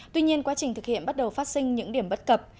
tuy nhiên quá trình thực hiện bắt đầu phát sinh những điểm bất cập